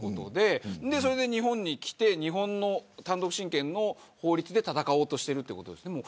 それで日本に来て日本の単独親権の法律で戦おうとしているということですよね。